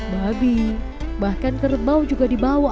babi bahkan kerbau juga dibawa